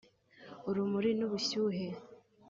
urumuri n’ubushyuhe